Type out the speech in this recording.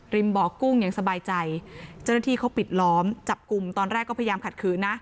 บ่อกุ้งอย่างสบายใจเจ้าหน้าที่เขาปิดล้อมจับกลุ่มตอนแรกก็พยายามขัดขืนนะ